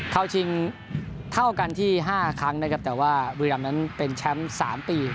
เข้าชิงเท่ากันที่๕ครั้งนะครับแต่ว่าบุรีรำนั้นเป็นแชมป์๓ปี